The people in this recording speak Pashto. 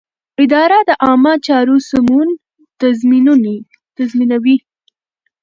اداره د عامه چارو سمون تضمینوي.